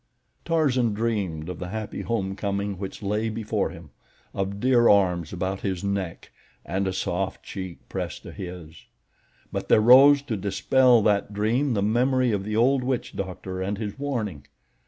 Tarzan dreamed of the happy homecoming which lay before him, of dear arms about his neck, and a soft cheek pressed to his; but there rose to dispel that dream the memory of the old witch doctor and his warning.